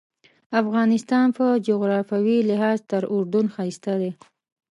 افغانستان په جغرافیوي لحاظ تر اردن ښایسته دی.